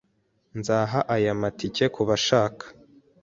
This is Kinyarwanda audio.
Nzaha aya matike kubashaka